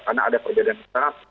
karena ada perbedaan besar